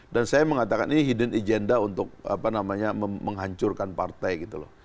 dan saya mengatakan ini hidden agenda untuk apa namanya menghancurkan partai gitu loh